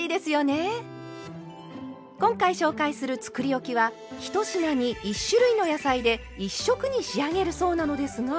今回紹介するつくりおきは１品に１種類の野菜で１色に仕上げるそうなのですが。